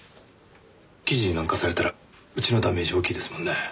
記事になんかされたらうちのダメージ大きいですもんね。